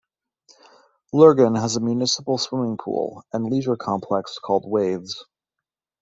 Lurgan has a municipal swimming pool and leisure complex called Waves.